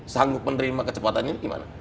sanggup menerima kecepatan ini gimana